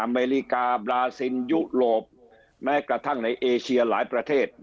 อเมริกาบราซินยุโรปแม้กระทั่งในเอเชียหลายประเทศ